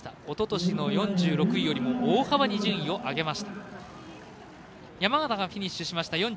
おととしの４６位よりも大幅に順位を上げました。